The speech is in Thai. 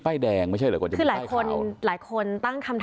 มาดีราคา